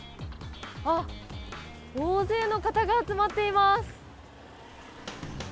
大勢の方が集まっています。